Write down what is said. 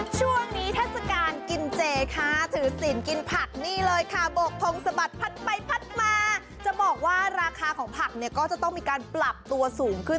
ช่วงนี้ท่าสการกินเจ้าสินกินผักกระเปี๊ยงบอกถงสะบาดผัดไปทดลองจะบอกว่าราคาของผักก็จะต้องมีการปรับตัวสูงขึ้น